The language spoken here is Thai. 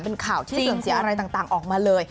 เป็นข่าวที่เสื่อมเสียอะไรต่างออกมาเลย